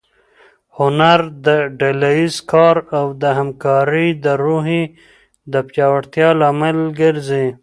هنر د ډله ییز کار او د همکارۍ د روحیې د پیاوړتیا لامل ګرځي.